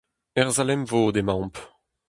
Er sal-emvod emaomp.